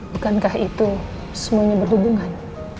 bukankah itu semuanya berhubungan